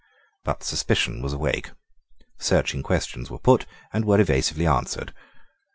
But suspicion was awake. Searching questions were put, and were evasively answered.